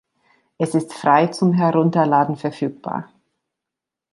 Es ist frei zum Herunterladen verfügbar.